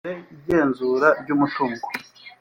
ingingo ya mbere igenzura ry umutungo